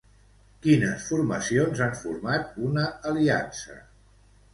Quines formacions han format una aliança?